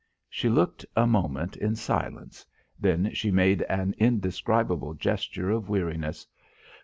She looked a moment in silence. Then she made an indescribable gesture of weariness.